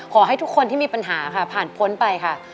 ขอให้ทุกคนที่มีปัญหาค่ะผ่านพ้นไปค่ะ